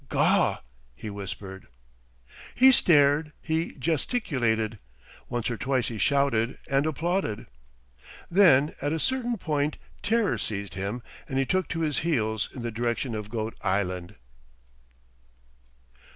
"Gaw!" he whispered. He stared. He gesticulated. Once or twice he shouted and applauded. Then at a certain point terror seized him and he took to his heels in the direction of Goat Island.